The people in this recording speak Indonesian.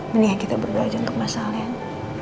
mendingan kita bergajeng ke masalah yang